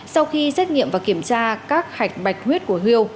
sau khi xét nghiệm và kiểm tra các hạch bạch huyết của hưu